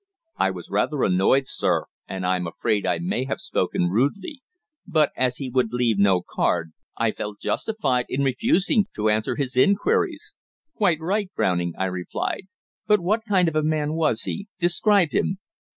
I was rather annoyed, sir, and I'm afraid I may have spoken rudely. But as he would leave no card, I felt justified in refusing to answer his inquiries." "Quite right, Browning," I replied. "But what kind of a man was he? Describe him."